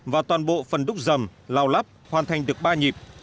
và toàn bộ phần đúc dầm lao lắp hoàn thành được ba nhịp